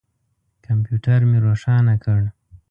کمپیوټر مې روښانه کړ.